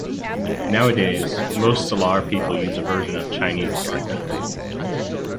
Nowadays, most Salar people use a version of Chinese characters.